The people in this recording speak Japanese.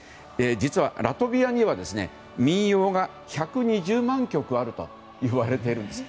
実はラトビアには民謡が１２０万曲あるといわれているんです。